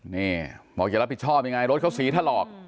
เนี่ยหมอกหยัดรับผิดชอบยังไงรถเค้าศรีถรอก